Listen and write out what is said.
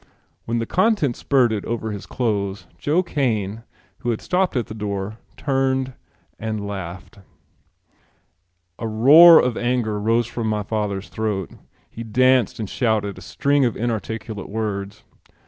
When the contents spurted over his clothes, Joe Kane, who had stopped at the door, turned and laughed. A roar of anger rose from my father's throat. He danced and shouted a string of inarticulate words.